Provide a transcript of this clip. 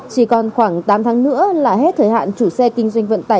chỉ còn khoảng tám tháng nữa là hết thời hạn chủ xe kinh doanh vận tải